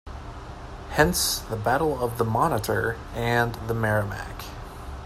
Hence "the Battle of the "Monitor" and the "Merrimac".